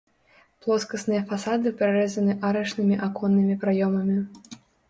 Плоскасныя фасады прарэзаны арачнымі аконнымі праёмамі.